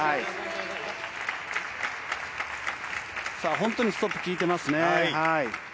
本当にストップ効いていますね。